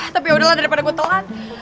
tapi yaudahlah daripada gue telat